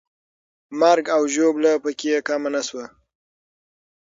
مرګ او ژوبله پکې کمه نه سوه.